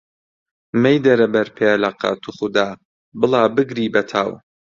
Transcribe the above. مەیدەرە بەر پێلەقە، توخودا، بڵا بگری بە تاو!